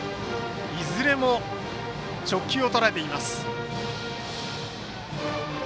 いずれも直球をとらえています。